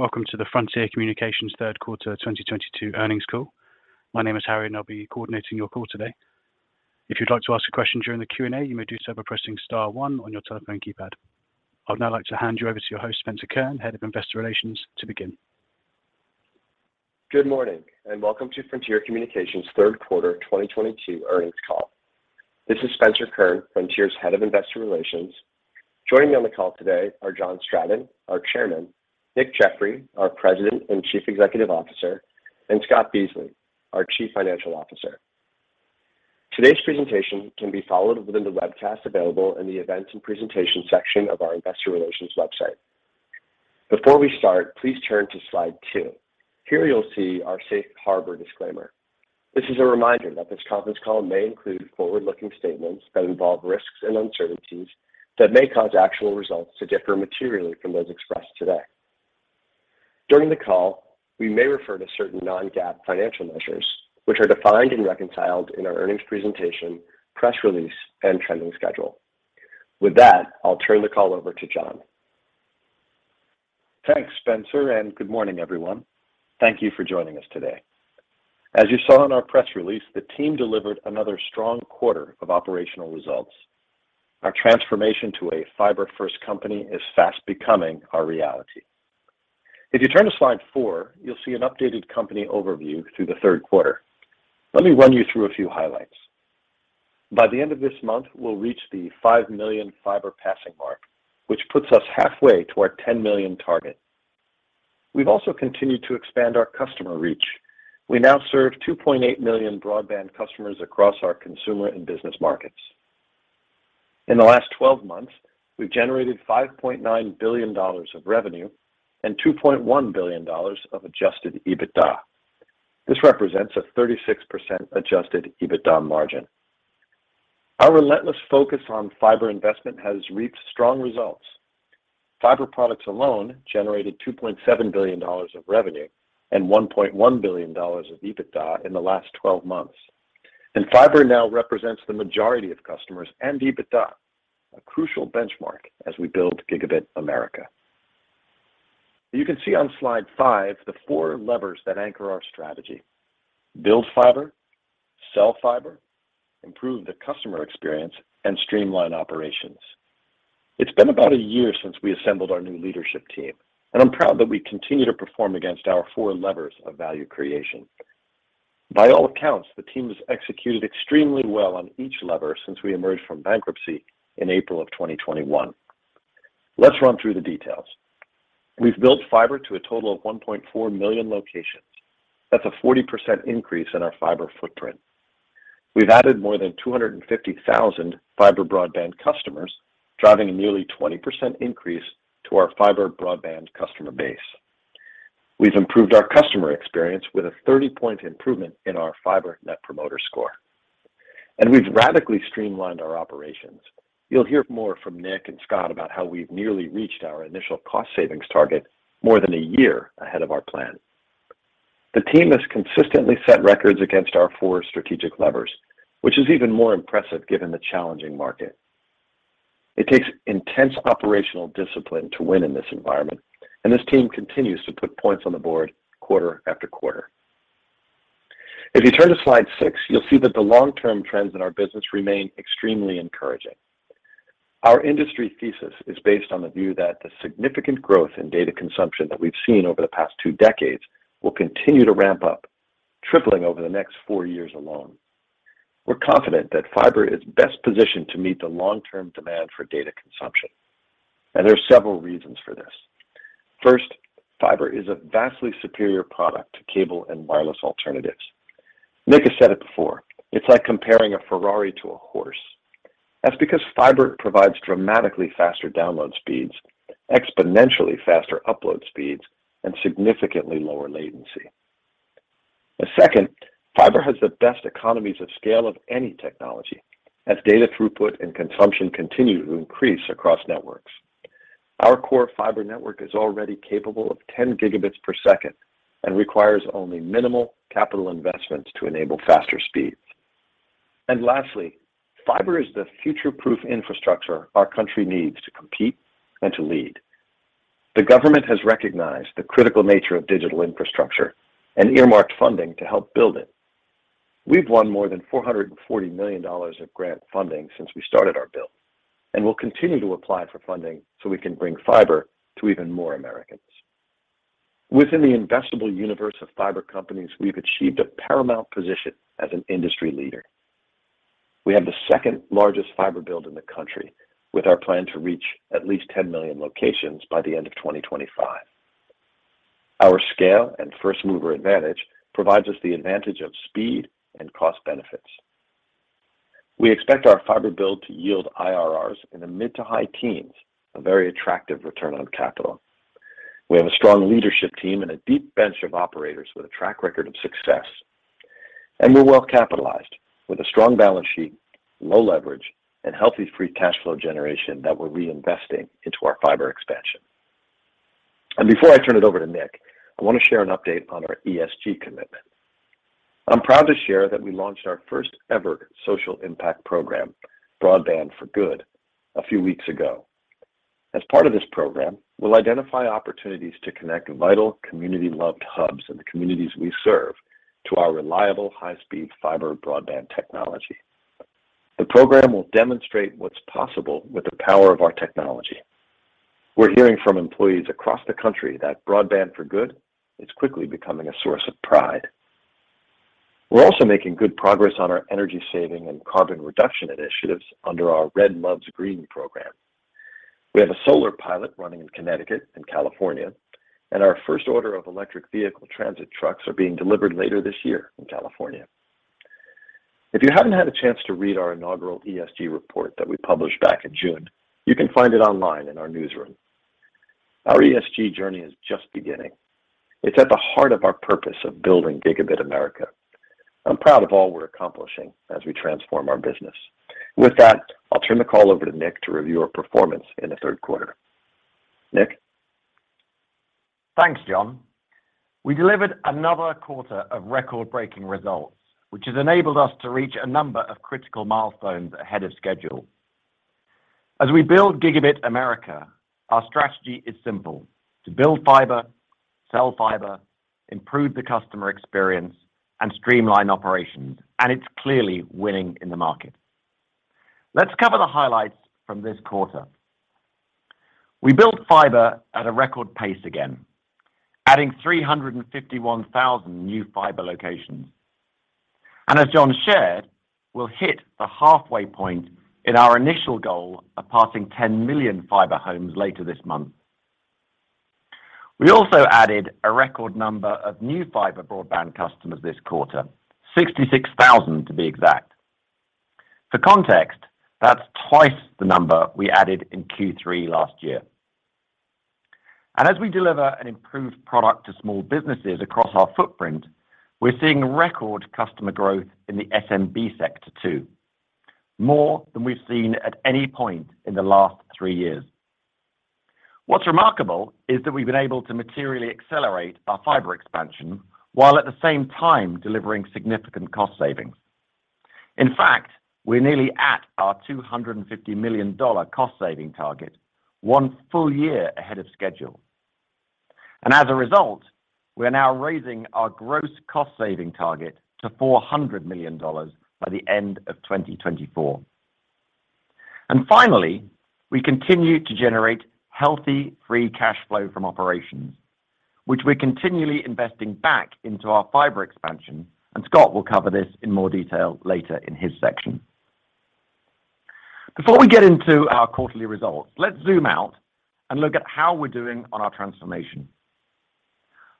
Welcome to the Frontier Communications third quarter 2022 earnings call. My name is Harry, and I'll be coordinating your call today. If you'd like to ask a question during the Q&A, you may do so by pressing star one on your telephone keypad. I'd now like to hand you over to your host, Spencer Kurn, Head of Investor Relations, to begin. Good morning, and welcome to Frontier Communications third quarter 2022 earnings call. This is Spencer Kurn, Frontier's Head of Investor Relations. Joining me on the call today are John Stratton, our Chairman, Nick Jeffery, our President and Chief Executive Officer, and Scott Beasley, our Chief Financial Officer. Today's presentation can be followed within the webcast available in the Events and Presentation section of our investor relations website. Before we start, please turn to slide two. Here, you'll see our safe harbor disclaimer. This is a reminder that this conference call may include forward-looking statements that involve risks and uncertainties that may cause actual results to differ materially from those expressed today. During the call, we may refer to certain non-GAAP financial measures, which are defined and reconciled in our earnings presentation, press release, and trending schedule. With that, I'll turn the call over to John. Thanks, Spencer, and good morning, everyone. Thank you for joining us today. As you saw in our press release, the team delivered another strong quarter of operational results. Our transformation to a fiber-first company is fast becoming our reality. If you turn to slide four, you'll see an updated company overview through the third quarter. Let me run you through a few highlights. By the end of this month, we'll reach the 5 million fiber passing mark, which puts us halfway to our 10 million target. We've also continued to expand our customer reach. We now serve 2.8 million broadband customers across our consumer and business markets. In the last 12 months, we've generated $5.9 billion of revenue and $2.1 billion of adjusted EBITDA. This represents a 36% adjusted EBITDA margin. Our relentless focus on fiber investment has reaped strong results. Fiber products alone generated $2.7 billion of revenue and $1.1 billion of EBITDA in the last 12 months. Fiber now represents the majority of customers and EBITDA, a crucial benchmark as we build Gigabit America. You can see on slide five the four levers that anchor our strategy. Build fiber, sell fiber, improve the customer experience, and streamline operations. It's been about a year since we assembled our new leadership team, and I'm proud that we continue to perform against our four levers of value creation. By all accounts, the team has executed extremely well on each lever since we emerged from bankruptcy in April 2021. Let's run through the details. We've built fiber to a total of 1.4 million locations. That's a 40% increase in our fiber footprint. We've added more than 250,000 fiber broadband customers, driving a nearly 20% increase to our fiber broadband customer base. We've improved our customer experience with a 30-point improvement in our fiber Net Promoter Score. We've radically streamlined our operations. You'll hear more from Nick and Scott about how we've nearly reached our initial cost savings target more than a year ahead of our plan. The team has consistently set records against our four strategic levers, which is even more impressive given the challenging market. It takes intense operational discipline to win in this environment, and this team continues to put points on the board quarter after quarter. If you turn to slide six, you'll see that the long-term trends in our business remain extremely encouraging. Our industry thesis is based on the view that the significant growth in data consumption that we've seen over the past two decades will continue to ramp up, tripling over the next four years alone. We're confident that fiber is best positioned to meet the long-term demand for data consumption, and there are several reasons for this. First, fiber is a vastly superior product to cable and wireless alternatives. Nick has said it before, it's like comparing a Ferrari to a horse. That's because fiber provides dramatically faster download speeds, exponentially faster upload speeds, and significantly lower latency. Second, fiber has the best economies of scale of any technology as data throughput and consumption continue to increase across networks. Our core fiber network is already capable of 10 Gbps and requires only minimal capital investments to enable faster speeds. Lastly, fiber is the future-proof infrastructure our country needs to compete and to lead. The government has recognized the critical nature of digital infrastructure and earmarked funding to help build it. We've won more than $440 million of grant funding since we started our build, and we'll continue to apply for funding so we can bring fiber to even more Americans. Within the investable universe of fiber companies, we've achieved a paramount position as an industry leader. We have the second largest fiber build in the country, with our plan to reach at least 10 million locations by the end of 2025. Our scale and first-mover advantage provides us the advantage of speed and cost benefits. We expect our fiber build to yield IRRs in the mid- to high teens, a very attractive return on capital. We have a strong leadership team and a deep bench of operators with a track record of success. We're well-capitalized with a strong balance sheet, low leverage, and healthy free cash flow generation that we're reinvesting into our fiber expansion. Before I turn it over to Nick, I want to share an update on our ESG commitment. I'm proud to share that we launched our first-ever social impact program, Broadband for Good, a few weeks ago. As part of this program, we'll identify opportunities to connect vital community-loved hubs in the communities we serve to our reliable, high-speed fiber broadband technology. The program will demonstrate what's possible with the power of our technology. We're hearing from employees across the country that Broadband for Good is quickly becoming a source of pride. We're also making good progress on our energy-saving and carbon reduction initiatives under our Red Loves Green program. We have a solar pilot running in Connecticut and California, and our first order of electric vehicle transit trucks are being delivered later this year in California. If you haven't had a chance to read our inaugural ESG report that we published back in June, you can find it online in our newsroom. Our ESG journey is just beginning. It's at the heart of our purpose of building Gigabit America. I'm proud of all we're accomplishing as we transform our business. With that, I'll turn the call over to Nick to review our performance in the third quarter. Nick? Thanks, John. We delivered another quarter of record-breaking results, which has enabled us to reach a number of critical milestones ahead of schedule. As we build Gigabit America, our strategy is simple, to build fiber, sell fiber, improve the customer experience, and streamline operations, and it's clearly winning in the market. Let's cover the highlights from this quarter. We built fiber at a record pace again, adding 351,000 new fiber locations. As John shared, we'll hit the halfway point in our initial goal of passing 10 million fiber homes later this month. We also added a record number of new fiber broadband customers this quarter, 66,000 to be exact. For context, that's twice the number we added in Q3 last year. As we deliver an improved product to small businesses across our footprint, we're seeing record customer growth in the SMB sector too. More than we've seen at any point in the last three years. What's remarkable is that we've been able to materially accelerate our fiber expansion while at the same time delivering significant cost savings. In fact, we're nearly at our $250 million cost-saving target one full year ahead of schedule. As a result, we're now raising our gross cost-saving target to $400 million by the end of 2024. Finally, we continue to generate healthy, free cash flow from operations, which we're continually investing back into our fiber expansion, and Scott will cover this in more detail later in his section. Before we get into our quarterly results, let's zoom out and look at how we're doing on our transformation.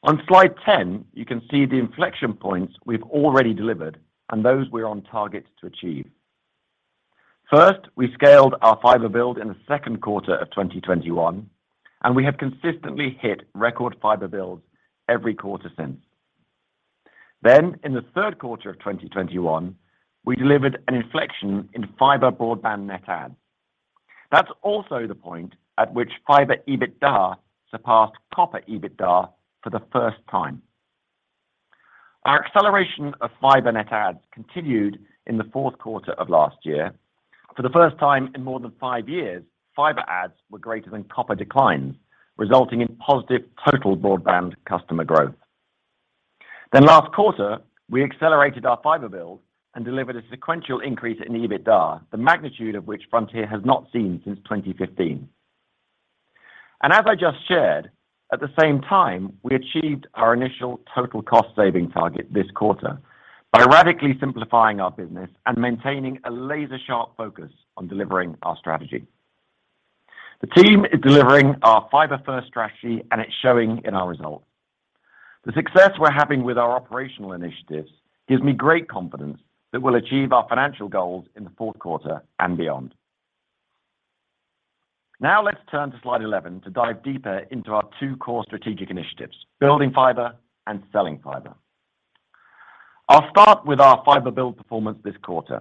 On slide 10, you can see the inflection points we've already delivered and those we're on target to achieve. First, we scaled our fiber build in the second quarter of 2021, and we have consistently hit record fiber builds every quarter since. In the third quarter of 2021, we delivered an inflection in fiber broadband net adds. That's also the point at which fiber EBITDA surpassed copper EBITDA for the first time. Our acceleration of fiber net adds continued in the fourth quarter of last year. For the first time in more than five years, fiber adds were greater than copper declines, resulting in positive total broadband customer growth. Last quarter, we accelerated our fiber build and delivered a sequential increase in EBITDA, the magnitude of which Frontier has not seen since 2015. As I just shared, at the same time, we achieved our initial total cost-saving target this quarter by radically simplifying our business and maintaining a laser-sharp focus on delivering our strategy. The team is delivering our fiber-first strategy, and it's showing in our results. The success we're having with our operational initiatives gives me great confidence that we'll achieve our financial goals in the fourth quarter and beyond. Now let's turn to slide 11 to dive deeper into our two core strategic initiatives, building fiber and selling fiber. I'll start with our fiber build performance this quarter.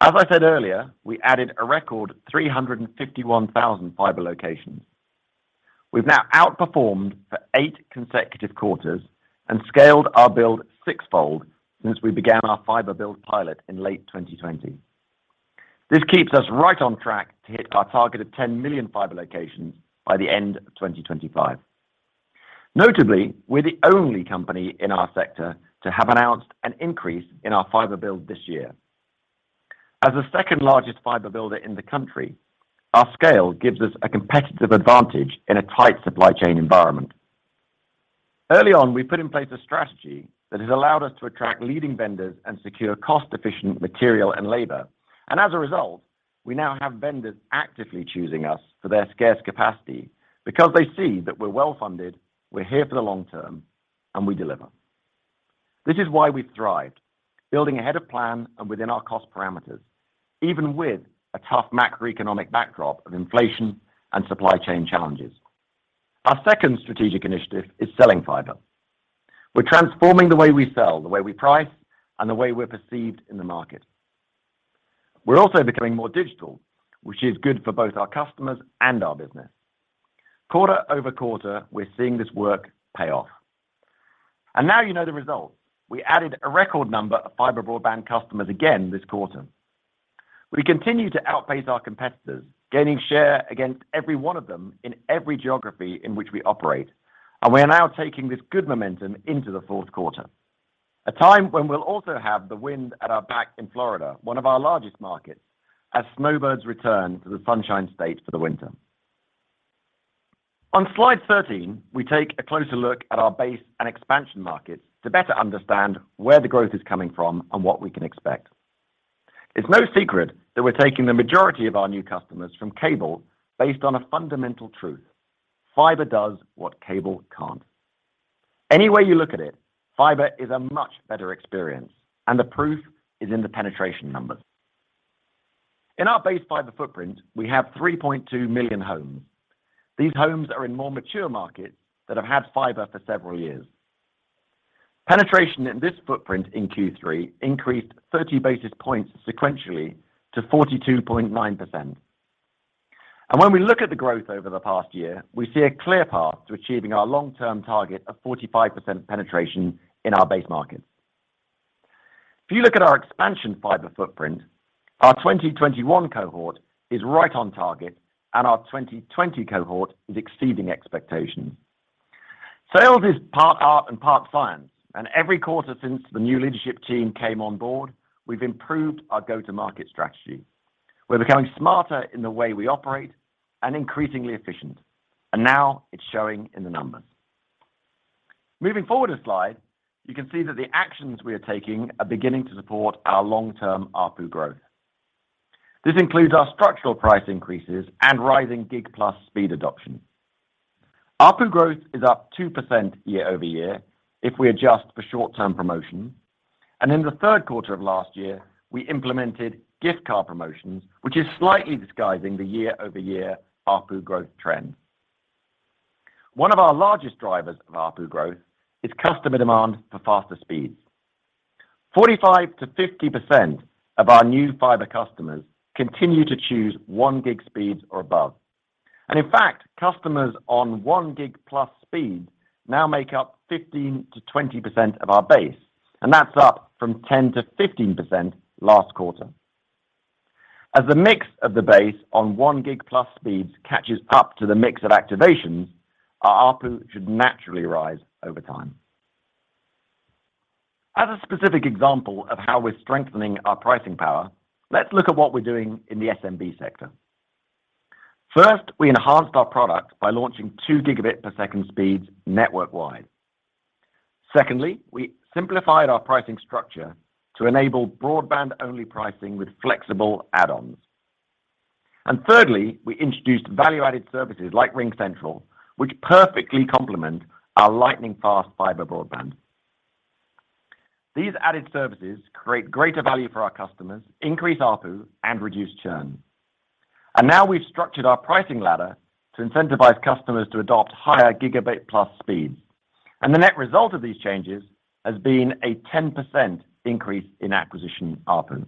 As I said earlier, we added a record 351,000 fiber locations. We've now outperformed for eight consecutive quarters and scaled our build six-fold since we began our fiber build pilot in late 2020. This keeps us right on track to hit our target of 10 million fiber locations by the end of 2025. Notably, we're the only company in our sector to have announced an increase in our fiber build this year. As the second-largest fiber builder in the country, our scale gives us a competitive advantage in a tight supply chain environment. Early on, we put in place a strategy that has allowed us to attract leading vendors and secure cost-efficient material and labor. As a result, we now have vendors actively choosing us for their scarce capacity because they see that we're well-funded, we're here for the long term, and we deliver. This is why we've thrived, building ahead of plan and within our cost parameters, even with a tough macroeconomic backdrop of inflation and supply chain challenges. Our second strategic initiative is selling fiber. We're transforming the way we sell, the way we price, and the way we're perceived in the market. We're also becoming more digital, which is good for both our customers and our business. Quarter-over-quarter, we're seeing this work pay off. Now you know the results. We added a record number of fiber broadband customers again this quarter. We continue to outpace our competitors, gaining share against every one of them in every geography in which we operate, and we are now taking this good momentum into the fourth quarter. A time when we'll also have the wind at our back in Florida, one of our largest markets, as snowbirds return to the Sunshine State for the winter. On slide 13, we take a closer look at our base and expansion markets to better understand where the growth is coming from and what we can expect. It's no secret that we're taking the majority of our new customers from cable based on a fundamental truth: Fiber does what cable can't. Any way you look at it, fiber is a much better experience, and the proof is in the penetration numbers. In our base fiber footprint, we have 3.2 million homes. These homes are in more mature markets that have had fiber for several years. Penetration in this footprint in Q3 increased 30 basis points sequentially to 42.9%. When we look at the growth over the past year, we see a clear path to achieving our long-term target of 45% penetration in our base markets. If you look at our expansion fiber footprint, our 2021 cohort is right on target and our 2020 cohort is exceeding expectations. Sales is part art and part science, and every quarter since the new leadership team came on board, we've improved our go-to-market strategy. We're becoming smarter in the way we operate and increasingly efficient. Now it's showing in the numbers. Moving forward a slide, you can see that the actions we are taking are beginning to support our long-term ARPU growth. This includes our structural price increases and rising Gig+ speed adoption. ARPU growth is up 2% year-over-year if we adjust for short-term promotion. In the third quarter of last year, we implemented gift card promotions, which is slightly disguising the year-over-year ARPU growth trend. One of our largest drivers of ARPU growth is customer demand for faster speeds. 45%-50% of our new fiber customers continue to choose 1 Gig speeds or above. In fact, customers on 1 Gig+ speeds now make up 15%-20% of our base, and that's up from 10%-15% last quarter. As the mix of the base on 1 Gig+ speeds catches up to the mix of activations, our ARPU should naturally rise over time. As a specific example of how we're strengthening our pricing power, let's look at what we're doing in the SMB sector. First, we enhanced our product by launching 2 Gbps speeds network-wide. Secondly, we simplified our pricing structure to enable broadband-only pricing with flexible add-ons. Thirdly, we introduced value-added services like RingCentral, which perfectly complement our lightning-fast fiber broadband. These added services create greater value for our customers, increase ARPU, and reduce churn. Now we've structured our pricing ladder to incentivize customers to adopt higher Gig+ speeds. The net result of these changes has been a 10% increase in acquisition ARPU.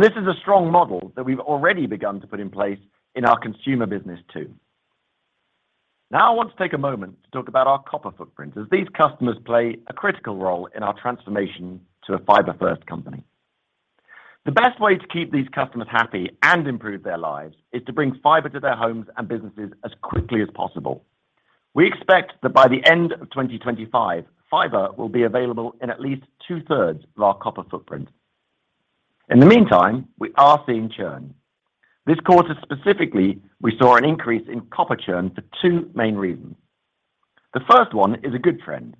This is a strong model that we've already begun to put in place in our consumer business too. Now, I want to take a moment to talk about our copper footprint, as these customers play a critical role in our transformation to a fiber-first company. The best way to keep these customers happy and improve their lives is to bring fiber to their homes and businesses as quickly as possible. We expect that by the end of 2025, fiber will be available in at least 2/3 of our copper footprint. In the meantime, we are seeing churn. This quarter specifically, we saw an increase in copper churn for two main reasons. The first one is a good trend.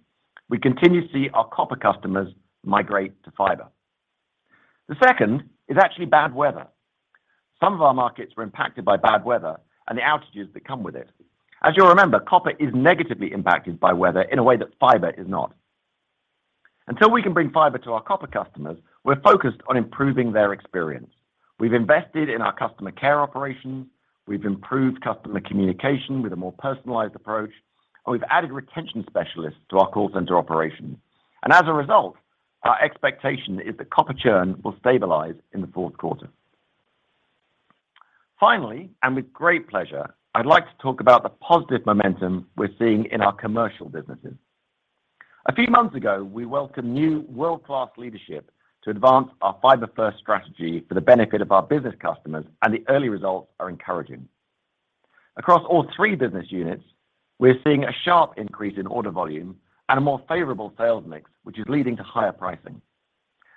We continue to see our copper customers migrate to fiber. The second is actually bad weather. Some of our markets were impacted by bad weather and the outages that come with it. As you'll remember, copper is negatively impacted by weather in a way that fiber is not. Until we can bring fiber to our copper customers, we're focused on improving their experience. We've invested in our customer care operations, we've improved customer communication with a more personalized approach, and we've added retention specialists to our call center operations. As a result, our expectation is that copper churn will stabilize in the fourth quarter. Finally, and with great pleasure, I'd like to talk about the positive momentum we're seeing in our commercial businesses. A few months ago, we welcomed new world-class leadership to advance our fiber-first strategy for the benefit of our business customers, and the early results are encouraging. Across all three business units, we're seeing a sharp increase in order volume and a more favorable sales mix, which is leading to higher pricing.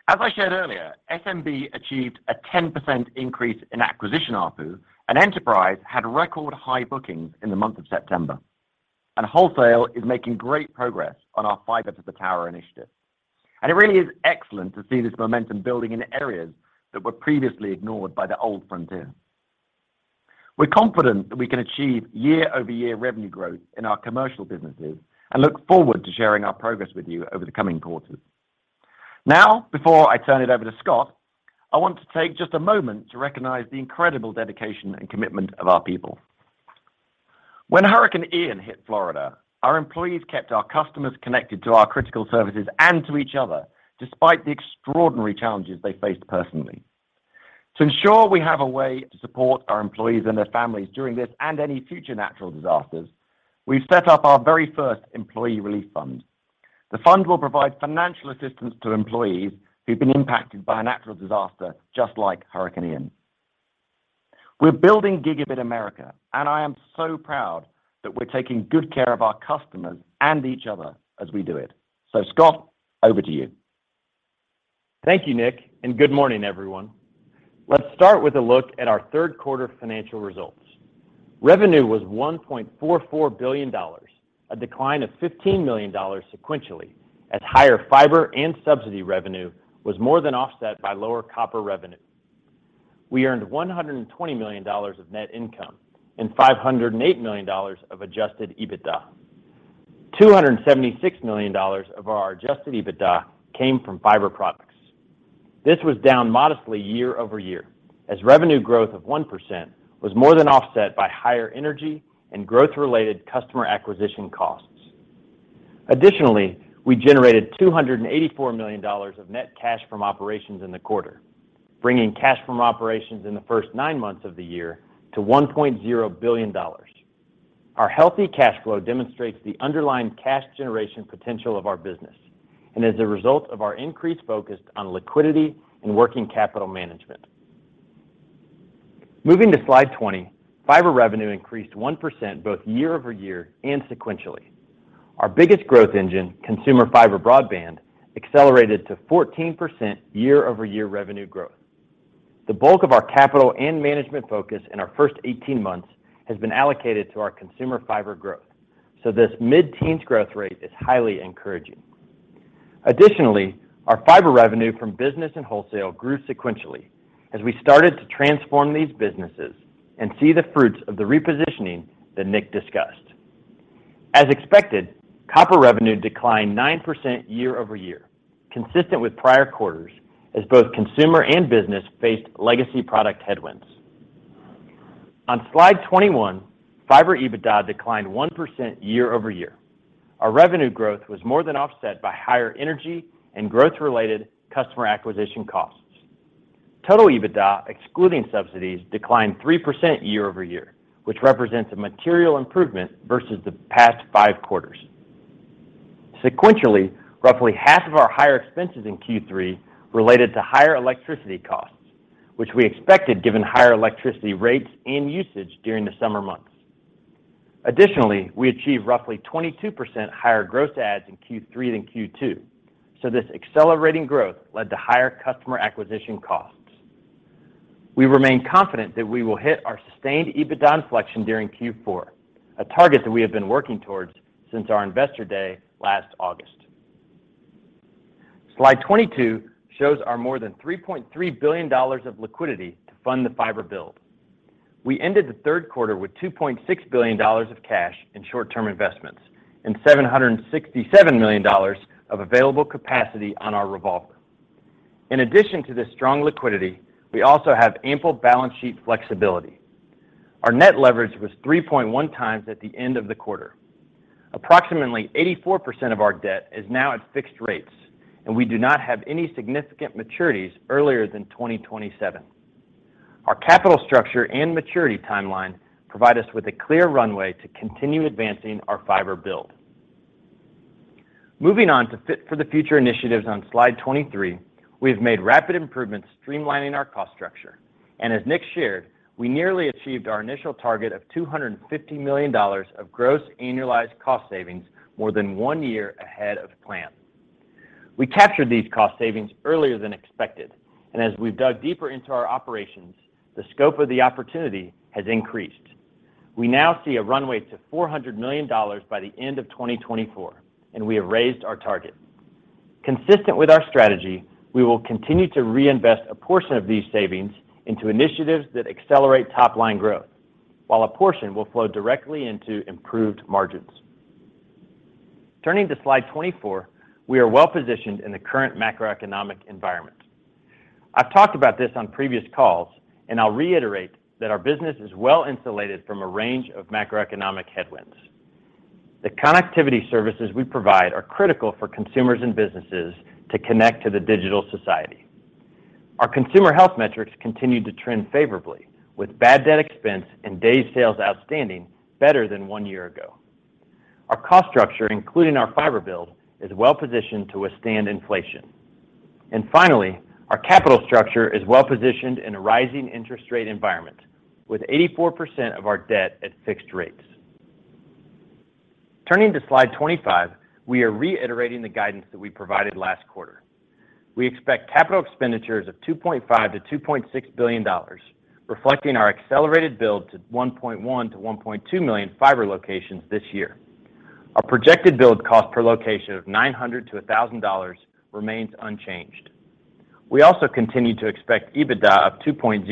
As I shared earlier, SMB achieved a 10% increase in acquisition ARPU, and Enterprise had record high bookings in the month of September. Wholesale is making great progress on our fiber to the tower initiative. It really is excellent to see this momentum building in areas that were previously ignored by the old Frontier. We're confident that we can achieve year-over-year revenue growth in our commercial businesses and look forward to sharing our progress with you over the coming quarters. Now, before I turn it over to Scott, I want to take just a moment to recognize the incredible dedication and commitment of our people. When Hurricane Ian hit Florida, our employees kept our customers connected to our critical services and to each other, despite the extraordinary challenges they faced personally. To ensure we have a way to support our employees and their families during this and any future natural disasters, we've set up our very first employee relief fund. The fund will provide financial assistance to employees who've been impacted by a natural disaster just like Hurricane Ian. We're building Gigabit America, and I am so proud that we're taking good care of our customers and each other as we do it. Scott, over to you. Thank you, Nick, and good morning, everyone. Let's start with a look at our third quarter financial results. Revenue was $1.44 billion, a decline of $15 million sequentially as higher fiber and subsidy revenue was more than offset by lower copper revenue. We earned $120 million of net income and $508 million of adjusted EBITDA. $276 million of our adjusted EBITDA came from fiber products. This was down modestly year-over-year as revenue growth of 1% was more than offset by higher energy and growth-related customer acquisition costs. Additionally, we generated $284 million of net cash from operations in the quarter, bringing cash from operations in the first nine months of the year to $1.0 billion. Our healthy cash flow demonstrates the underlying cash generation potential of our business and is a result of our increased focus on liquidity and working capital management. Moving to slide 20, fiber revenue increased 1% both year-over-year and sequentially. Our biggest growth engine, consumer fiber broadband, accelerated to 14% year-over-year revenue growth. The bulk of our capital and management focus in our first 18 months has been allocated to our consumer fiber growth, so this mid-teens growth rate is highly encouraging. Additionally, our fiber revenue from business and wholesale grew sequentially as we started to transform these businesses and see the fruits of the repositioning that Nick discussed. As expected, copper revenue declined 9% year-over-year, consistent with prior quarters as both consumer and business faced legacy product headwinds. On slide 21, fiber EBITDA declined 1% year-over-year. Our revenue growth was more than offset by higher energy and growth-related customer acquisition costs. Total EBITDA, excluding subsidies, declined 3% year-over-year, which represents a material improvement versus the past five quarters. Sequentially, roughly half of our higher expenses in Q3 related to higher electricity costs, which we expected given higher electricity rates and usage during the summer months. Additionally, we achieved roughly 22% higher gross adds in Q3 than Q2, so this accelerating growth led to higher customer acquisition costs. We remain confident that we will hit our sustained EBITDA inflection during Q4, a target that we have been working towards since our investor day last August. Slide 22 shows our more than $3.3 billion of liquidity to fund the fiber build. We ended the third quarter with $2.6 billion of cash in short-term investments and $767 million of available capacity on our revolver. In addition to this strong liquidity, we also have ample balance sheet flexibility. Our net leverage was 3.1x at the end of the quarter. Approximately 84% of our debt is now at fixed rates, and we do not have any significant maturities earlier than 2027. Our capital structure and maturity timeline provide us with a clear runway to continue advancing our fiber build. Moving on to Fit for the Future initiatives on slide 23, we have made rapid improvements, streamlining our cost structure. As Nick shared, we nearly achieved our initial target of $250 million of gross annualized cost savings more than one year ahead of plan. We captured these cost savings earlier than expected, and as we've dug deeper into our operations, the scope of the opportunity has increased. We now see a runway to $400 million by the end of 2024, and we have raised our target. Consistent with our strategy, we will continue to reinvest a portion of these savings into initiatives that accelerate top-line growth, while a portion will flow directly into improved margins. Turning to slide 24, we are well-positioned in the current macroeconomic environment. I've talked about this on previous calls, and I'll reiterate that our business is well insulated from a range of macroeconomic headwinds. The connectivity services we provide are critical for consumers and businesses to connect to the digital society. Our consumer health metrics continue to trend favorably, with bad debt expense and Days Sales Outstanding better than one year ago. Our cost structure, including our fiber build, is well-positioned to withstand inflation. Finally, our capital structure is well-positioned in a rising interest rate environment, with 84% of our debt at fixed rates. Turning to slide 25, we are reiterating the guidance that we provided last quarter. We expect capital expenditures of $2.5 billion-$2.6 billion, reflecting our accelerated build to 1.1 million-1.2 million fiber locations this year. Our projected build cost per location of $900-$1,000 remains unchanged. We also continue to expect EBITDA of $2.05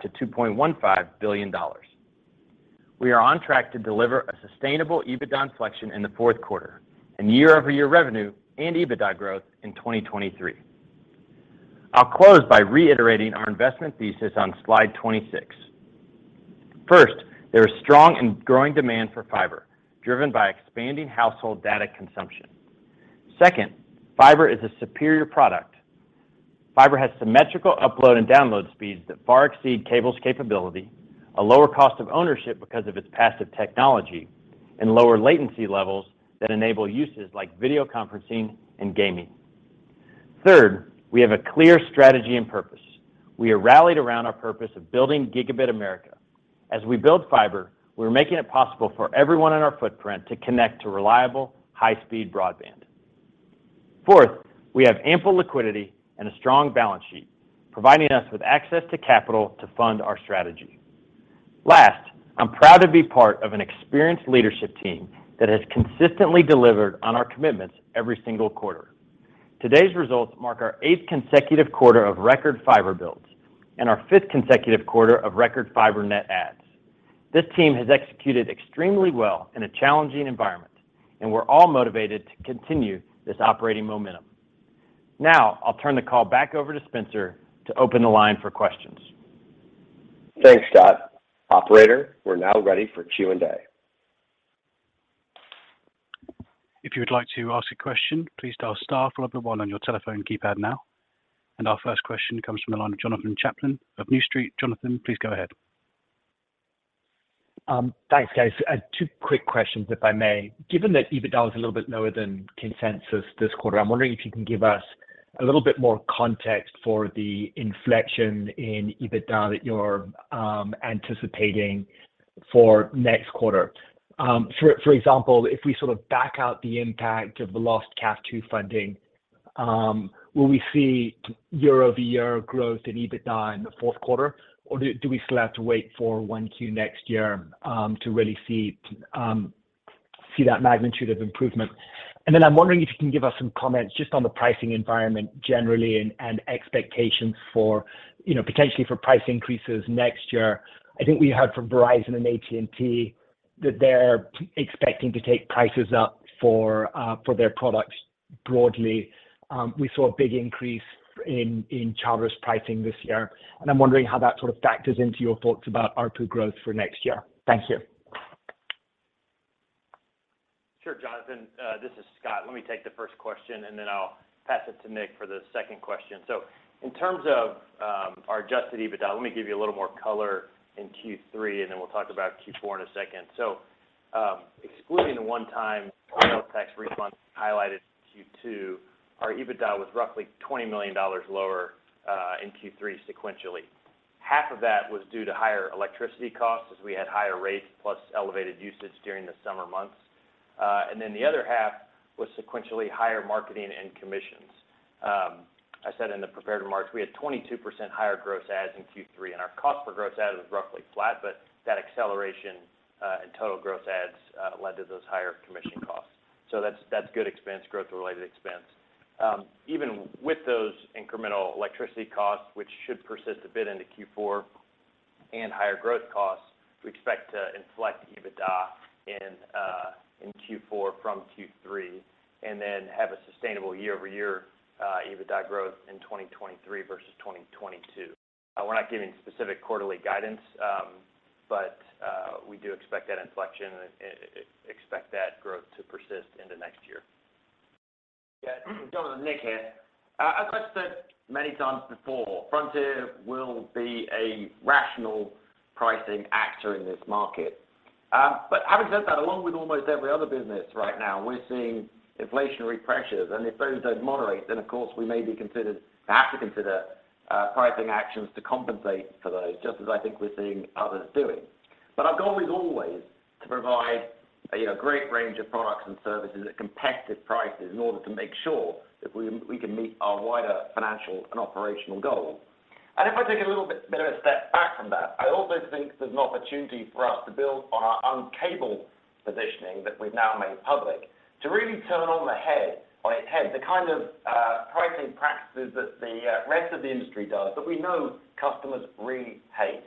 billion-$2.15 billion. We are on track to deliver a sustainable EBITDA inflection in the fourth quarter and year-over-year revenue and EBITDA growth in 2023. I'll close by reiterating our investment thesis on slide 26. First, there is strong and growing demand for fiber, driven by expanding household data consumption. Second, fiber is a superior product. Fiber has symmetrical upload and download speeds that far exceed cable's capability, a lower cost of ownership because of its passive technology, and lower latency levels that enable uses like video conferencing and gaming. Third, we have a clear strategy and purpose. We are rallied around our purpose of building Gigabit America. As we build fiber, we're making it possible for everyone in our footprint to connect to reliable, high-speed broadband. Fourth, we have ample liquidity and a strong balance sheet, providing us with access to capital to fund our strategy. Last, I'm proud to be part of an experienced leadership team that has consistently delivered on our commitments every single quarter. Today's results mark our eighth consecutive quarter of record fiber builds and our fifth consecutive quarter of record fiber net adds. This team has executed extremely well in a challenging environment, and we're all motivated to continue this operating momentum. Now, I'll turn the call back over to Spencer to open the line for questions. Thanks, Scott. Operator, we're now ready for Q&A. If you would like to ask a question, please dial star followed by one on your telephone keypad now. Our first question comes from the line of Jonathan Chaplin of New Street. Jonathan, please go ahead. Thanks, guys. Two quick questions, if I may. Given that EBITDA is a little bit lower than consensus this quarter, I'm wondering if you can give us a little bit more context for the inflection in EBITDA that you're anticipating for next quarter. For example, if we sort of back out the impact of the lost CAF II funding, will we see year-over-year growth in EBITDA in the fourth quarter? Or do we still have to wait for 1Q next year to really see that magnitude of improvement? I'm wondering if you can give us some comments just on the pricing environment generally and expectations for, you know, potentially for price increases next year. I think we heard from Verizon and AT&T that they're expecting to take prices up for their products broadly. We saw a big increase in Charter's pricing this year, and I'm wondering how that sort of factors into your thoughts about ARPU growth for next year. Thank you. Sure, Jonathan. This is Scott. Let me take the first question, and then I'll pass it to Nick for the second question. In terms of our adjusted EBITDA, let me give you a little more color in Q3, and then we'll talk about Q4 in a second. Excluding the one-time final tax refund highlighted in Q2, our EBITDA was roughly $20 million lower in Q3 sequentially. Half of that was due to higher electricity costs, as we had higher rates plus elevated usage during the summer months. The other half was sequentially higher marketing and commissions. I said in the prepared remarks, we had 22% higher gross adds in Q3, and our cost for gross add was roughly flat, but that acceleration in total gross adds led to those higher commission costs. That's good expense, growth-related expense. Even with those incremental electricity costs, which should persist a bit into Q4 and higher growth costs, we expect to inflect EBITDA in Q4 from Q3, and then have a sustainable year-over-year EBITDA growth in 2023 versus 2022. We're not giving specific quarterly guidance, but we do expect that inflection and expect that growth to persist into next year. Yeah. Jonathan, Nick Jeffery here. I've answered many times before, Frontier will be a rational pricing actor in this market. Having said that, along with almost every other business right now, we're seeing inflationary pressures. If those don't moderate, then, of course, we may have to consider pricing actions to compensate for those, just as I think we're seeing others doing. Our goal is always to provide a you know great range of products and services at competitive prices in order to make sure that we can meet our wider financial and operational goals. If I take a little bit of a step back from that, I also think there's an opportunity for us to build on our Un-Cable positioning that we've now made public to really turn on its head the kind of pricing practices that the rest of the industry does, that we know customers really hate.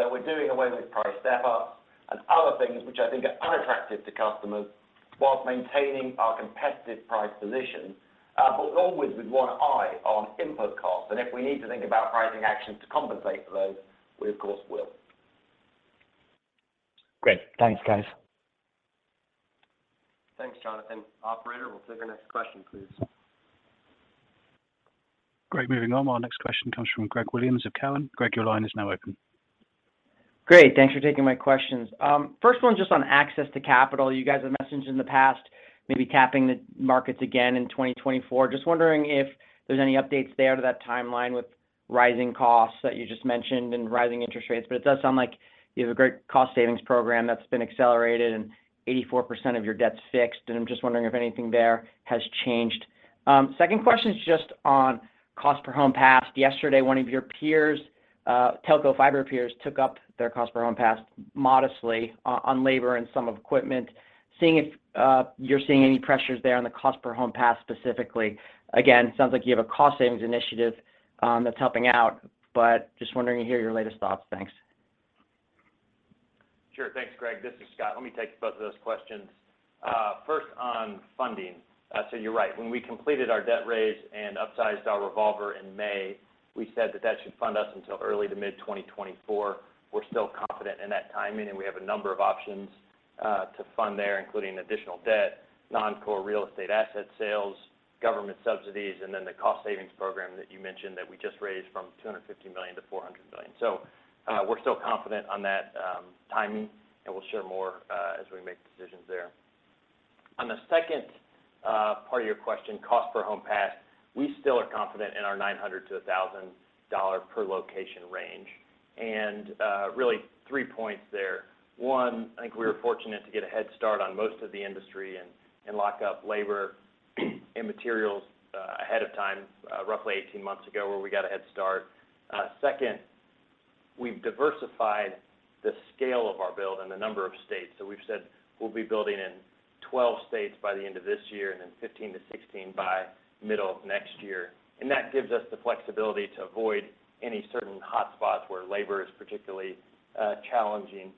We're doing away with price step-ups and other things which I think are unattractive to customers while maintaining our competitive price position, but always with one eye on input costs. If we need to think about pricing actions to compensate for those, we of course will. Great. Thanks, guys. Thanks, Jonathan. Operator, we'll take our next question, please. Great. Moving on. Our next question comes from Gregory Williams of Cowen. Gregory, your line is now open. Great. Thanks for taking my questions. First one just on access to capital. You guys have messaged in the past, maybe tapping the markets again in 2024. Just wondering if there's any updates there to that timeline with rising costs that you just mentioned and rising interest rates. It does sound like you have a great cost savings program that's been accelerated and 84% of your debt's fixed, and I'm just wondering if anything there has changed. Second question is just on cost per home passed. Yesterday, one of your peers, telco fiber peers, took up their cost per home passed modestly on labor and some of equipment. Seeing if you're seeing any pressures there on the cost per home passed specifically. Again, sounds like you have a cost savings initiative that's helping out, but just wondering to hear your latest thoughts. Thanks. Sure. Thanks, Gregory. This is Scott. Let me take both of those questions. First on funding. You're right. When we completed our debt raise and upsized our revolver in May, we said that should fund us until early to mid-2024. We're still confident in that timing, and we have a number of options to fund there, including additional debt, non-core real estate asset sales, government subsidies, and then the cost savings program that you mentioned that we just raised from $250 million-$400 million. We're still confident on that timing, and we'll share more as we make decisions there. On the second part of your question, cost per home passed, we still are confident in our $900-$1,000 per location range. Really three points there. One, I think we were fortunate to get a head start on most of the industry and lock up labor and materials ahead of time roughly 18 months ago, where we got a head start. Second, we've diversified the scale of our build in a number of states. We've said we'll be building in 12 states by the end of this year and then 15-16 by middle of next year. That gives us the flexibility to avoid any certain hotspots where labor is particularly challenging.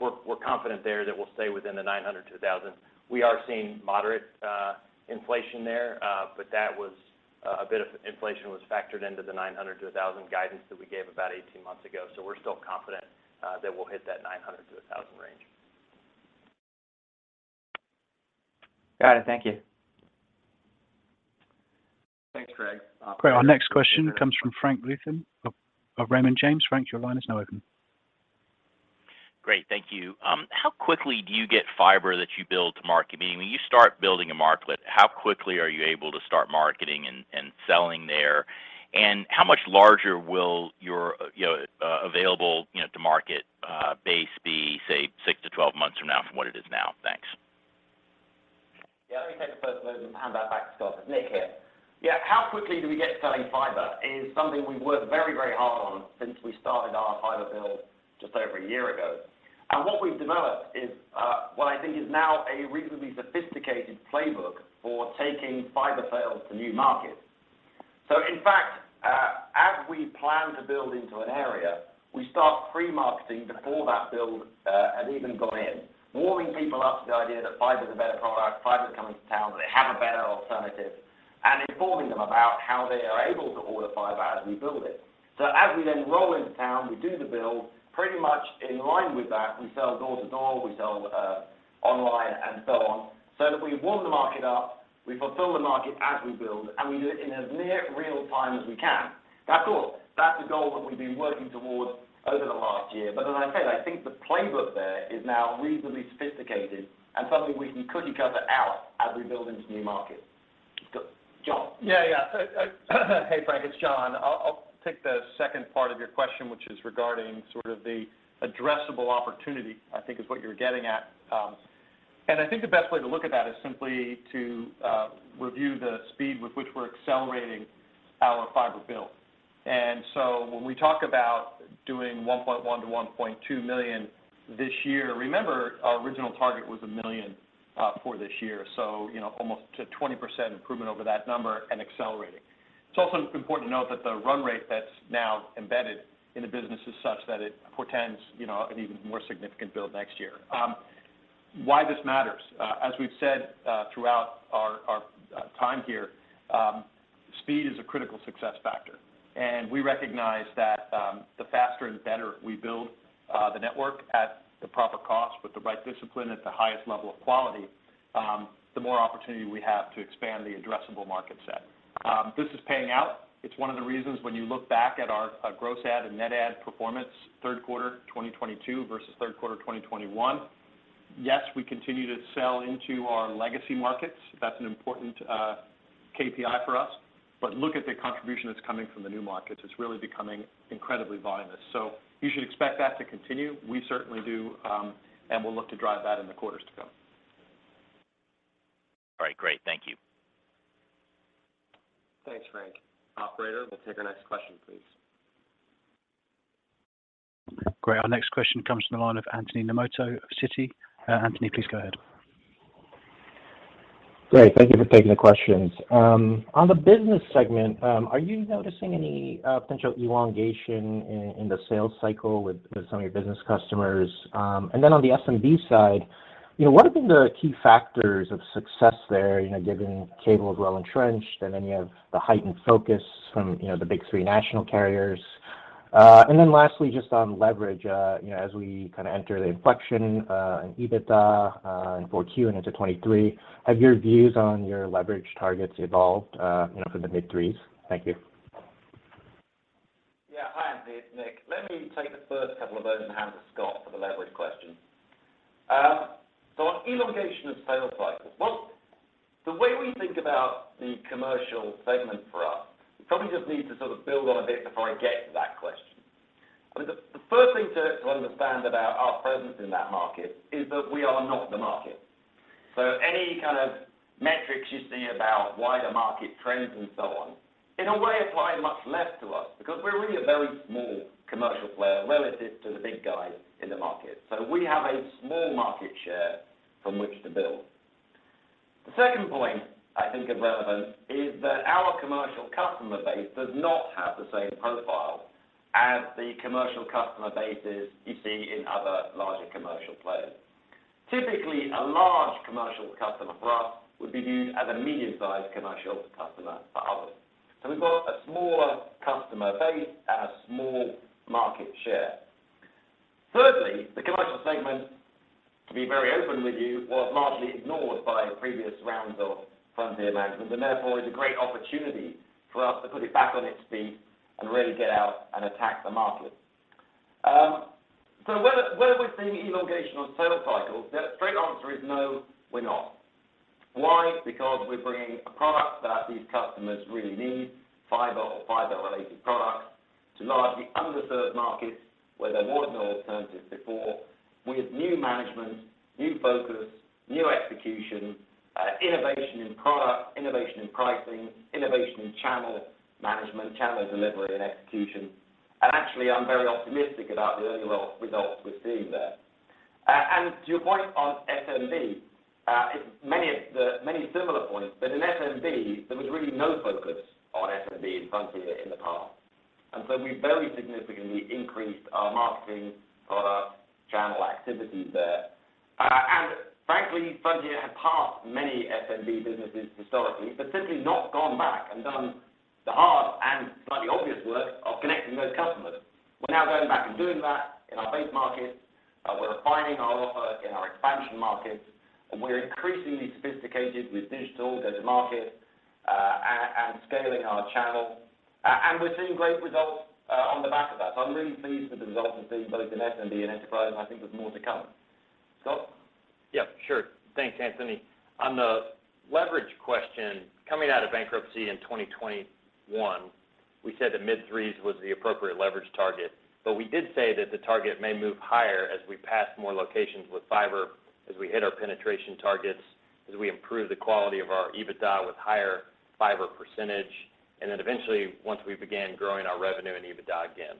We're confident there that we'll stay within the $900-$1,000. We are seeing moderate inflation there, but a bit of inflation was factored into the $900-$1,000 guidance that we gave about 18 months ago. We're still confident that we'll hit that 900-1,000 range. Got it. Thank you. Thanks, Gregory. Great. Our next question comes from Frank Louthan of Raymond James. Frank, your line is now open. Great. Thank you. How quickly do you get fiber that you build to market? Meaning, when you start building a market, how quickly are you able to start marketing and selling there? How much larger will your, you know, available, you know, to market base be, say, 6-12 months from now from what it is now? Thanks. Yeah. Let me take the first load and hand that back to Scott. It's Nick here. Yeah. How quickly do we get to selling fiber is something we've worked very, very hard on since we started our fiber build just over a year ago. What we've developed is what I think is now a reasonably sophisticated playbook for taking fiber sales to new markets. In fact, as we plan to build into an area, we start pre-marketing before that build has even gone in, warming people up to the idea that fiber is a better product, fiber is coming to town, they have a better alternative, and informing them about how they are able to order fiber as we build it. As we then roll into town, we do the build pretty much in line with that. We sell door to door, we sell online and so on, so that we warm the market up, we fulfill the market as we build, and we do it in as near real-time as we can. Now, of course, that's a goal that we've been working towards over the last year. I think the playbook there is now reasonably sophisticated and something we can continuously roll out as we build into new markets. Go, John. Yeah. Yeah. Hey, Frank, it's John. I'll take the second part of your question, which is regarding sort of the addressable opportunity, I think is what you're getting at. I think the best way to look at that is simply to review the speed with which we're accelerating our fiber build. When we talk about doing 1.1 million-1.2 million this year, remember, our original target was 1 million for this year. You know, almost a 20% improvement over that number and accelerating. It's also important to note that the run rate that's now embedded in the business is such that it portends, you know, an even more significant build next year. Why this matters? As we've said throughout our time here, speed is a critical success factor. We recognize that, the faster and better we build the network at the proper cost with the right discipline at the highest level of quality, the more opportunity we have to expand the addressable market set. This is paying out. It's one of the reasons when you look back at our gross add and net add performance, third quarter 2022 versus third quarter 2021. Yes, we continue to sell into our legacy markets. That's an important KPI for us. But look at the contribution that's coming from the new markets. It's really becoming incredibly voluminous. So you should expect that to continue. We certainly do, and we'll look to drive that in the quarters to come. All right. Great. Thank you. Thanks, Frank. Operator, we'll take our next question, please. Great. Our next question comes from the line of Anthony Nemoto of Citi. Anthony, please go ahead. Great. Thank you for taking the questions. On the business segment, are you noticing any potential elongation in the sales cycle with some of your business customers? Then on the SMB side, you know, what have been the key factors of success there, you know, given cable is well entrenched, and then you have the heightened focus from, you know, the big three national carriers. Lastly, just on leverage, you know, as we kind of enter the inflection and EBITDA in 4Q and into 2023, have your views on your leverage targets evolved, you know, from the mid-threes? Thank you. Yeah. Hi, Anthony. It's Nick. Let me take the first couple of those and hand to Scott for the leverage question. On elongation of sales cycles. Well, the way we think about the commercial segment for us, we probably just need to sort of build on a bit before I get to that question. I mean, the first thing to understand about our presence in that market is that we are not the market. Any kind of metrics you see about wider market trends and so on, in a way, apply much less to us because we're really a very small commercial player relative to the big guys in the market. We have a small market share from which to build. The second point I think is relevant is that our commercial customer base does not have the same profile as the commercial customer bases you see in other larger commercial players. Typically, a large commercial customer for us would be viewed as a medium-sized commercial customer for others. We've got a smaller customer base and a small market share. Thirdly, the commercial segment, to be very open with you, was largely ignored by previous rounds of Frontier management, and therefore is a great opportunity for us to put it back on its feet and really get out and attack the market. Whether we're seeing elongation on sales cycles, the straight answer is no, we're not. Why? Because we're bringing a product that these customers really need, fiber or fiber-related products, to largely underserved markets where there was no alternatives before, with new management, new focus, new execution, innovation in product, innovation in pricing, innovation in channel management, channel delivery, and execution. Actually, I'm very optimistic about the early results we're seeing there. To your point on SMB, it's many similar points, but in SMB, there was really no focus on SMB in Frontier in the past. We very significantly increased our marketing product, channel activities there. Frankly, Frontier had passed many SMB businesses facilities, but simply not gone back and done the hard and slightly obvious work of connecting those customers. We're now going back and doing that in our base markets. We're refining our offer in our expansion markets, and we're increasingly sophisticated with digital go-to-market and scaling our channel. We're seeing great results on the back of that. I'm really pleased with the results we're seeing both in SMB and enterprise, and I think there's more to come. Scott? Yeah, sure. Thanks, Anthony. On the leverage question, coming out of bankruptcy in 2021, we said that mid-threes was the appropriate leverage target. We did say that the target may move higher as we pass more locations with fiber, as we hit our penetration targets, as we improve the quality of our EBITDA with higher fiber percentage, and then eventually, once we began growing our revenue and EBITDA again.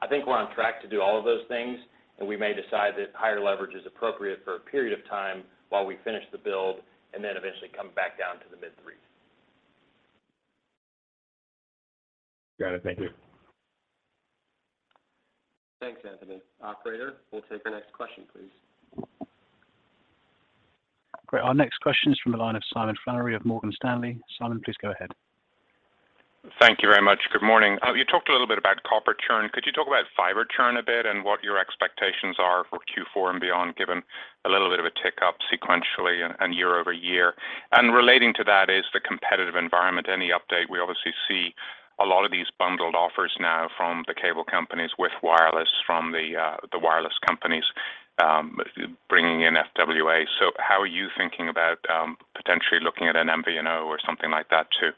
I think we're on track to do all of those things, and we may decide that higher leverage is appropriate for a period of time while we finish the build and then eventually come back down to the mid-threes. Got it. Thank you. Thanks, Anthony. Operator, we'll take our next question, please. Great. Our next question is from the line of Simon Flannery of Morgan Stanley. Simon, please go ahead. Thank you very much. Good morning. You talked a little bit about copper churn. Could you talk about fiber churn a bit and what your expectations are for Q4 and beyond, given a little bit of a tick up sequentially and year over year? Relating to that is the competitive environment. Any update? We obviously see a lot of these bundled offers now from the cable companies with wireless from the wireless companies, bringing in FWA. How are you thinking about potentially looking at an MVNO or something like that to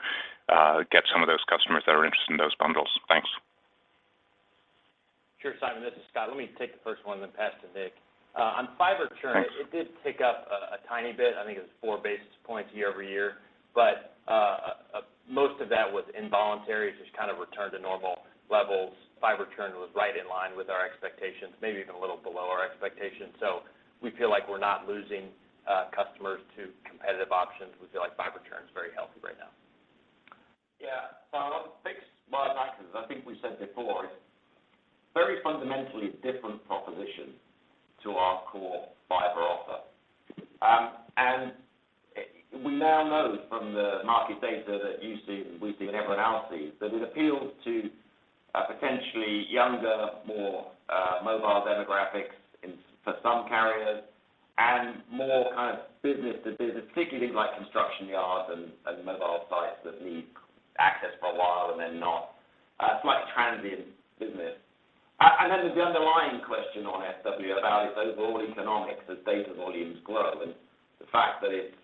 get some of those customers that are interested in those bundles? Thanks. Sure, Simon. This is Scott. Let me take the first one, then pass to Nick. On fiber churn- Thanks. It did tick up a tiny bit. I think it was 4 basis points year-over-year. Most of that was involuntary. It's just kind of returned to normal levels. Fiber churn was right in line with our expectations, maybe even a little below our expectations. We feel like we're not losing customers to competitive options. We feel like fiber churn is very healthy right now. I want to fix Scott's answer. I think we said before, it's very fundamentally a different proposition to our core fiber offer. We now know from the market data that you've seen, we've seen, and everyone else sees, that it appeals to potentially younger, more mobile demographics for some carriers and more kind of business-to-business, particularly like construction yards and mobile sites that need access for a while and then not. It's like transient business. The underlying question on FWA about its overall economics as data volumes grow, and the fact that it's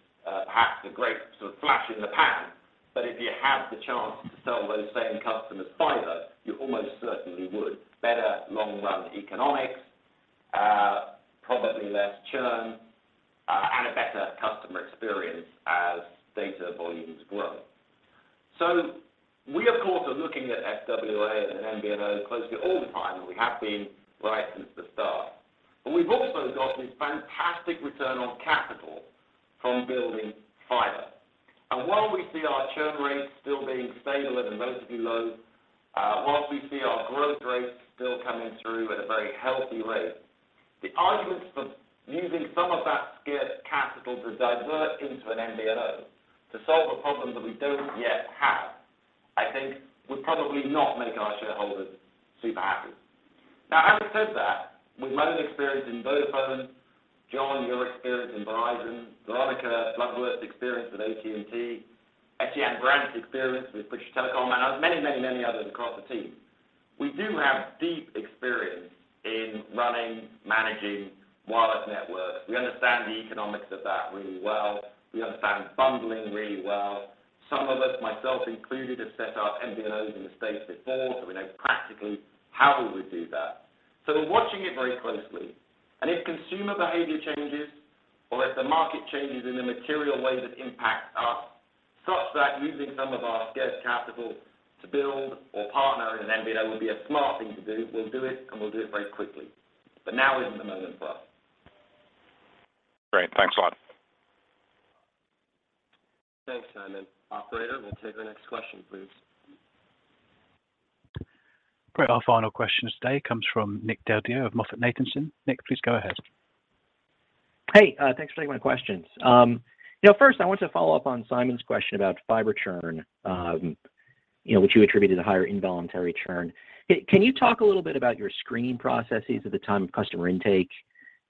perhaps a great sort of flash in the pan. If you have the chance to sell those same customers fiber, you almost certainly would. Better long-run economics, probably less churn, and a better customer experience as data volumes grow. We, of course, are looking at FWA and MVNO closely all the time, and we have been right since the start. We've also got this fantastic return on capital from building fiber. While we see our churn rates still being stable and relatively low, while we see our growth rates still coming through at a very healthy rate, the arguments for using some of that scarce capital to divert into an MVNO to solve a problem that we don't yet have, I think would probably not make our shareholders super happy. Now, having said that, with my own experience in Vodafone, John, your experience in Verizon, Veronica Bloodworth's experience with AT&T, Etienne Brandt's experience with British Telecom, and, many, many, many others across the team, we do have deep experience in running, managing wireless networks. We understand the economics of that really well. We understand bundling really well. Some of us, myself included, have set up MVNOs in the States before, so we know practically how we would do that. We're watching it very closely. If consumer behavior changes or if the market changes in a material way that impacts using some of our scarce capital to build or partner in an MVNO would be a smart thing to do. We'll do it, and we'll do it very quickly. Now isn't the moment for us. Great. Thanks a lot. Thanks, Simon. Operator, we'll take the next question, please. Our final question today comes from Nick Del Deo of MoffettNathanson. Nick, please go ahead. Hey, thanks for taking my questions. You know, first, I want to follow up on Simon's question about fiber churn, you know, which you attributed to higher involuntary churn. Can you talk a little bit about your screening processes at the time of customer intake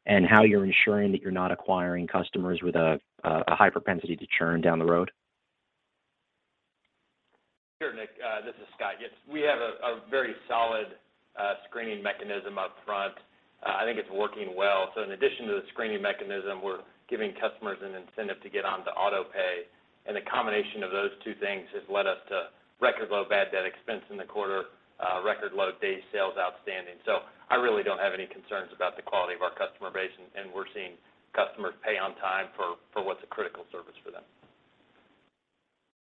and how you're ensuring that you're not acquiring customers with a high propensity to churn down the road? Sure, Nick. This is Scott. Yes, we have a very solid screening mechanism up front. I think it's working well. In addition to the screening mechanism, we're giving customers an incentive to get onto auto pay. The combination of those two things has led us to record low bad debt expense in the quarter, record low Days Sales Outstanding. I really don't have any concerns about the quality of our customer base, and we're seeing customers pay on time for what's a critical service for them.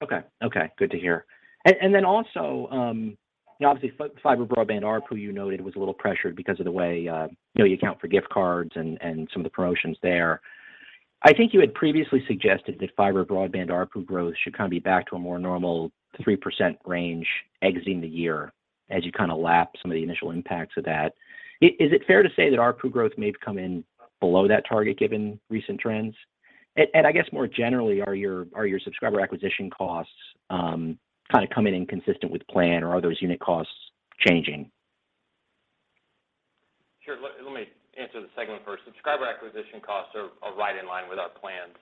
Okay. Okay, good to hear. Also, you know, obviously fiber broadband ARPU, you noted, was a little pressured because of the way, you know, you account for gift cards and some of the promotions there. I think you had previously suggested that fiber broadband ARPU growth should kind of be back to a more normal 3% range exiting the year as you kind of lap some of the initial impacts of that. Is it fair to say that ARPU growth may come in below that target given recent trends? I guess more generally, are your subscriber acquisition costs kind of coming in consistent with plan, or are those unit costs changing? Sure. Let me answer the second one first. Subscriber acquisition costs are right in line with our plans.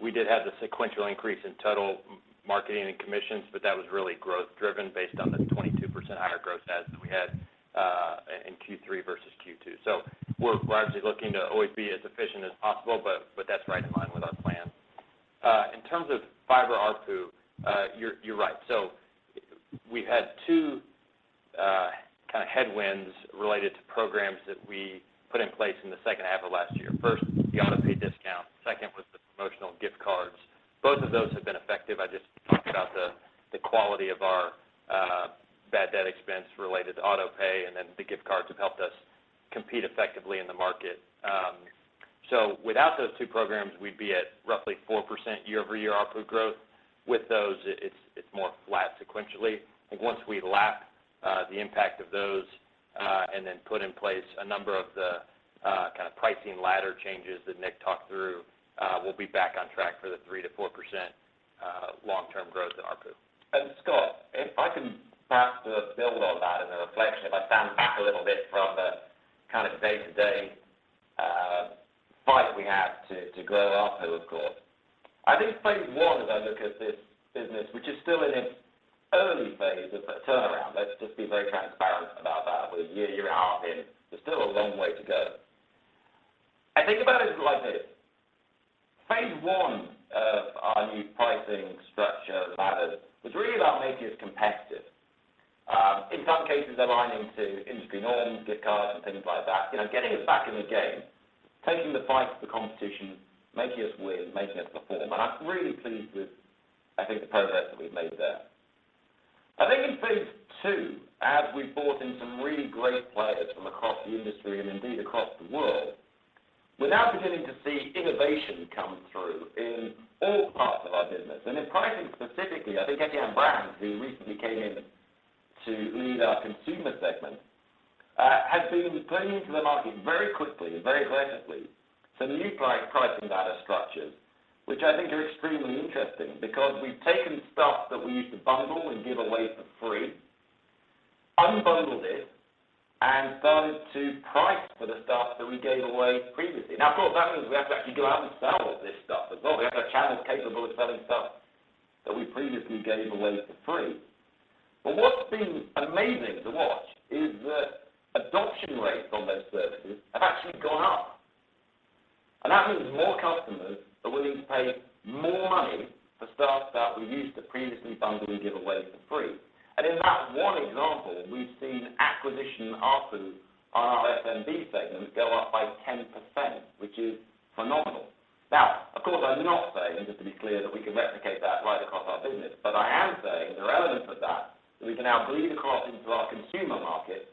We did have the sequential increase in total marketing and commissions, but that was really growth driven based on the 22% higher gross adds that we had in Q3 versus Q2. We're obviously looking to always be as efficient as possible, but that's right in line with our plan. In terms of fiber ARPU, you're right. We've had two kind of headwinds related to programs that we put in place in the second half of last year. First, the autopay discount, second was the promotional gift cards. Both of those have been effective. I just talked about the quality of our bad debt expense related to autopay, and then the gift cards have helped us compete effectively in the market. Without those 2 programs, we'd be at roughly 4% year-over-year ARPU growth. With those it's more flat sequentially. I think once we lap the impact of those and then put in place a number of the kind of pricing ladder changes that Nick talked through, we'll be back on track for the 3%-4% long-term growth in ARPU. Scott, if I can perhaps build on that in a reflection. If I stand back a little bit from the kind of day-to-day fight we have to grow ARPU, of course. I think phase I, as I look at this business, which is still in its early phase of a turnaround. Let's just be very transparent about that. We're a year and a half in. There's still a long way to go. I think about it like this. Phase I of our new pricing structure ladders was really about making us competitive. In some cases, aligning to industry norms, gift cards, and things like that. You know, getting us back in the game, taking the fight to the competition, making us win, making us perform. I'm really pleased with, I think, the progress that we've made there. I think in phase II, as we've brought in some really great players from across the industry and indeed across the world, we're now beginning to see innovation come through in all parts of our business. In pricing specifically, I think Etienne Brandt, who recently came in to lead our consumer segment, has been putting into the market very quickly and very aggressively some new pricing data structures, which I think are extremely interesting because we've taken stuff that we used to bundle and give away for free, unbundled it, and started to price for the stuff that we gave away previously. Now, of course, that means we have to actually go out and sell this stuff as well. We have to have channels capable of selling stuff that we previously gave away for free. What's been amazing to watch is that adoption rates on those services have actually gone up. That means more customers are willing to pay more money for stuff that we used to previously bundle and give away for free. In that one example, we've seen acquisition ARPU on our SMB segment go up by 10%, which is phenomenal. Now, of course, I'm not saying, just to be clear, that we can replicate that right across our business. I am saying there are elements of that we can now bleed across into our consumer market,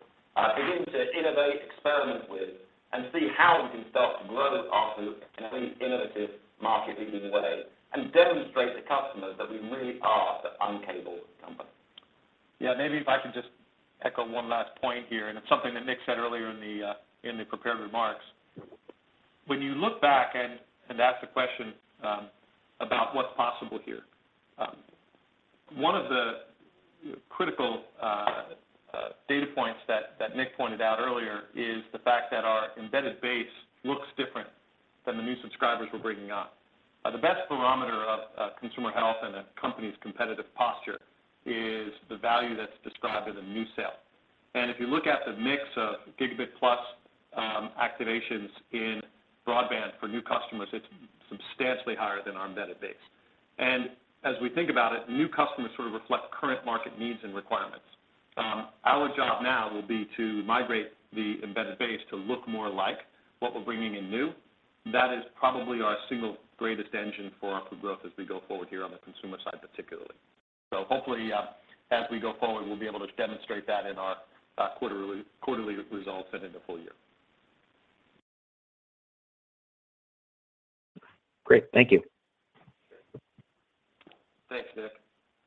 begin to innovate, experiment with, and see how we can start to grow ARPU in a really innovative, market-leading way, and demonstrate to customers that we really are the Un-Cable company. Yeah. Maybe if I can just echo one last point here, and it's something that Nick said earlier in the prepared remarks. When you look back and ask the question about what's possible here, one of the critical data points that Nick pointed out earlier is the fact that our embedded base looks different than the new subscribers we're bringing on. The best barometer of consumer health and a company's competitive posture is the value that's described as a new sale. If you look at the mix of gigabit plus activations in broadband for new customers, it's substantially higher than our embedded base. As we think about it, new customers sort of reflect current market needs and requirements. Our job now will be to migrate the embedded base to look more like what we're bringing in new. That is probably our single greatest engine for ARPU growth as we go forward here on the consumer side, particularly. Hopefully, as we go forward, we'll be able to demonstrate that in our quarterly results and in the full year. Great. Thank you. Thanks, Nick.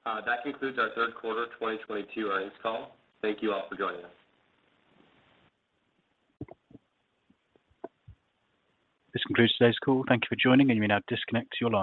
That concludes our third quarter 2022 earnings call. Thank you all for joining us. This concludes today's call. Thank you for joining, and you may now disconnect your line.